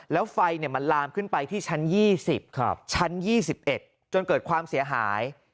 แล้วไฟเนี่ยมันลามขึ้นไปที่ชั้นยี่สิบครับชั้นยี่สิบเอ็ดจนเกิดความเสียหาย